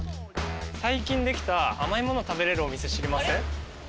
最近できた甘いもの食べれるお店知りません？